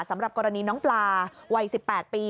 สำหรับกรณีน้องปลาวัย๑๘ปี